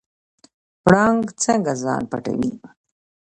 پړانګ څنګه ځان پټوي؟